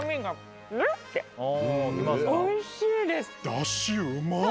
だしうまっ。